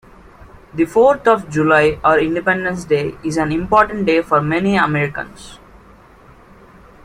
The fourth of July, or Independence Day, is an important day for many Americans.